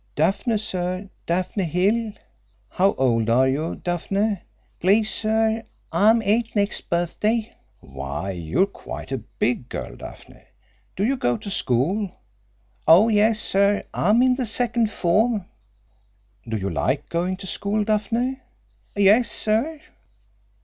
"Daphne, sir Daphne Hill." "How old are you, Daphne?" "Please, sir, I'm eight next birthday." "Why, you're quite a big girl, Daphne! Do you go to school?" "Oh, yes, sir. I'm in the second form." "Do you like going to school, Daphne?" "Yes, sir."